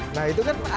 nah itu kan